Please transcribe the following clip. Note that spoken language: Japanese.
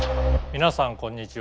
皆さんこんにちは。